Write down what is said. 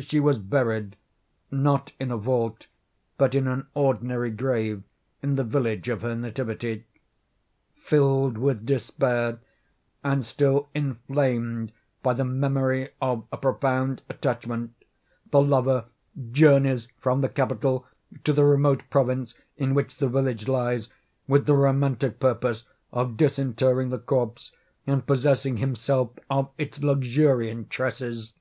She was buried——not in a vault, but in an ordinary grave in the village of her nativity. Filled with despair, and still inflamed by the memory of a profound attachment, the lover journeys from the capital to the remote province in which the village lies, with the romantic purpose of disinterring the corpse, and possessing himself of its luxuriant tresses.